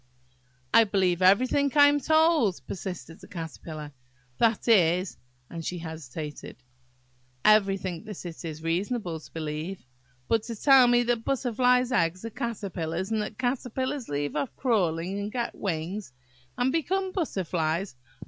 "I believe everything that I am told," persisted the Caterpillar; "that is"–and she hesitated,–"everything that it is reasonable to believe. But to tell me that butterflies' eggs are caterpillars, and that caterpillars leave off crawling and get wings, and become butterflies!